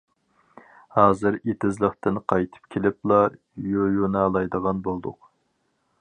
ھازىر ئېتىزلىقتىن قايتىپ كېلىپلا يۇيۇنالايدىغان بولدۇق.